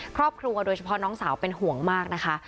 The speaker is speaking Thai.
ครอบครัวโดยเฉพาะน้องสาวเป็นห่วงมากนะคะ